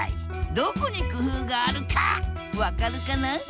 どこに工夫があるか分かるかな？